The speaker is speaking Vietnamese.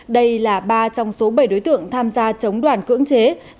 đây là ba trong số bảy đối tượng tham gia chống đoàn cưỡng chế